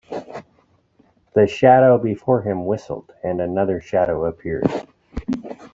The shadow before him whistled and another shadow appeared.